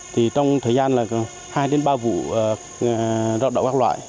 thì có thể trồng được hai ba vụ rõ đậu các loại